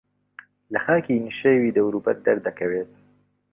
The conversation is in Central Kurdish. لە خاکی نشێوی دەوروبەر دەردەکەوێت